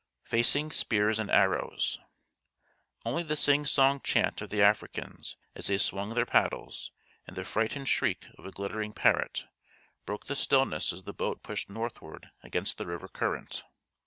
Facing Spears and Arrows Only the sing song chant of the Africans as they swung their paddles, and the frightened shriek of a glittering parrot, broke the stillness as the boat pushed northward against the river current.